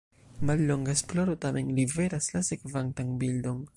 Mallonga esploro tamen liveras la sekvantan bildon.